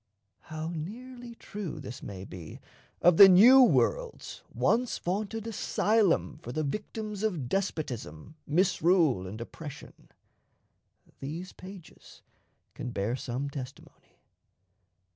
How nearly true this may be of the New World's once vaunted asylum for the victims of despotism, misrule, and oppression, these pages can bear some testimony.